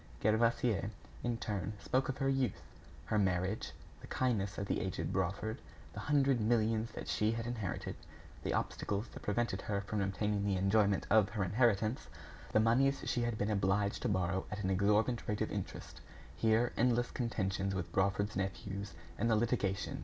Gervaise, in turn, spoke of her youth, her marriage, the kindness of the aged Brawford, the hundred millions that she had inherited, the obstacles that prevented her from obtaining the enjoyment of her inheritance, the moneys she had been obliged to borrow at an exorbitant rate of interest, her endless contentions with Brawford's nephews, and the litigation!